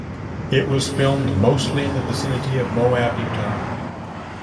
It was filmed mostly in the vicinity of Moab, Utah.